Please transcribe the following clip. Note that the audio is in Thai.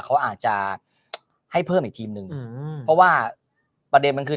เขาอาจจะให้เพิ่มอีกทีมหนึ่งอืมเพราะว่าประเด็นมันคือ